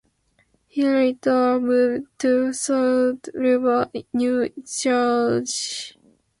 He later moved to Saddle River, New Jersey.